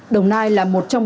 đồng nai là một trong